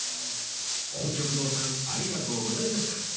音曲堂さんありがとうございました